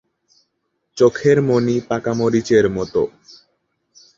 চোখের মনি পাকা মরিচের মত।